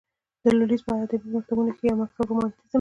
د لوېدیځ په ادبي مکتبونو کښي یو مکتب رومانتیزم دئ.